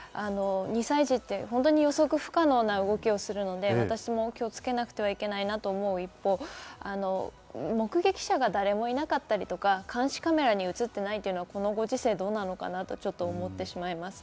２歳児って予測不可能な動きをするので、私も気をつけなくてはいけないなと思う一方、目撃者が誰もいなかったりとか監視カメラに映っていないというのは、このご時世どうなのかなと思ってしまいます。